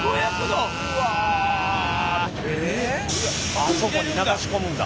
あそこに流し込むんだ。